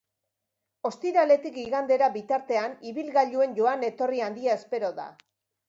Ostiraletik igandera bitartean ibilgailuen joan-etorri handia espero da.